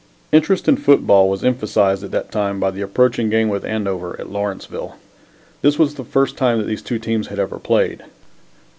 Interest in football was emphasized at that time by the approaching game with Andover at Lawrenceville. This was the first time that these two teams had ever played.